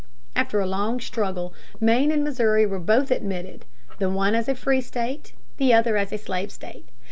After a long struggle Maine and Missouri were both admitted the one as a free state, the other as a slave state.